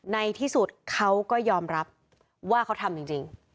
ในที่สุดเขาก็ยอมรับว่าเขาทำจริง